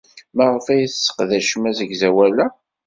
Maɣef ay tesseqdacemt asegzawal-a?